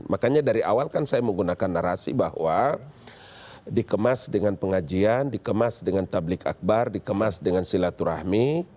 makanya dari awal kan saya menggunakan narasi bahwa dikemas dengan pengajian dikemas dengan tablik akbar dikemas dengan silaturahmi